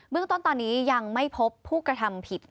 เรื่องต้นตอนนี้ยังไม่พบผู้กระทำผิด